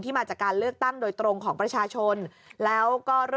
มาจากการเลือกตั้งโดยตรงของประชาชนแล้วก็